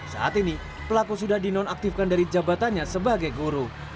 saat ini pelaku sudah dinonaktifkan dari jabatannya sebagai guru